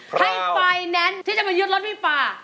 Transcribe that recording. ให้ไฟแนนท์ที่จะมายืดรถพี่ฟ้า